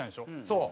そう。